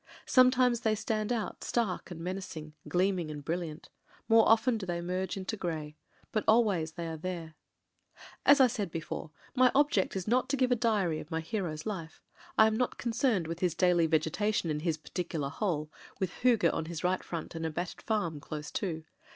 Sometimes they stand out stark and menacing, gleaming and brilliant ; more often do they merge into grey. But always are they there. ... As I said before, my object is not to give a diary of my hero's life. I am not concerned with his daily vegetation in his particular hole, with Hooge on his right front and a battered farm close to.